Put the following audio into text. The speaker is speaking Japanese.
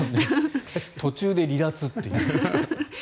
途中で離脱っていう。